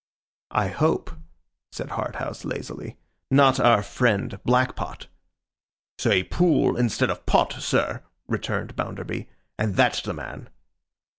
'I hope,' said Harthouse, lazily, 'not our friend Blackpot?' 'Say Pool instead of Pot, sir,' returned Bounderby, 'and that's the man.